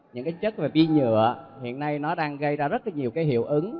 những cái chất về vi nhựa hiện nay nó đang gây ra rất là nhiều cái hiệu ứng